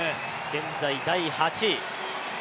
現在第８位。